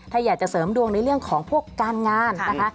ถ้าอยากจะเสริมดวงในเรื่องของพวกการงานนะคะ